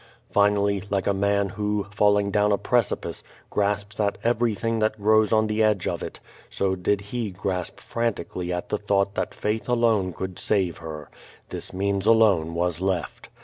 Finally, like a man who, falling down a preci pice, grasps at everj'thing that grows on the edge of it, so did he grasp frantically at the thought that faith alone could save her. This means alone was left.